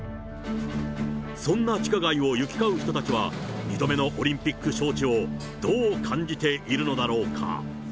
そんな地下街を行き交う人たちは、２度目のオリンピック招致をどう感じているのだろうか。